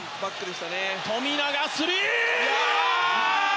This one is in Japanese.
富永、スリー！